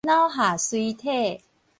腦下垂體